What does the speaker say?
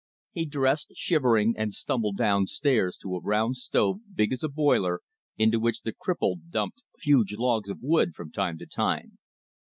He dressed, shivering, and stumbled down stairs to a round stove, big as a boiler, into which the cripple dumped huge logs of wood from time to time.